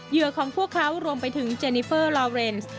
เหยื่อของพวกเขารวมไปถึงเจนิเฟอร์ลอเรนซ์